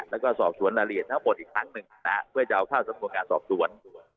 แล้วก็สอบสวนละเลียนทั้งหมดอีกครั้งนะฮะเพื่อกล้าจะเอาข้าวสมมุงงานสอบสวน